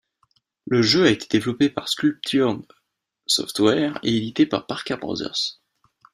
Le jeu a été développé par Sculptured Software et édité par Parker Brothers.